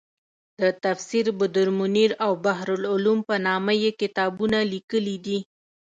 د تفسیر بدرمنیر او بحرالعلوم په نامه یې کتابونه لیکلي دي.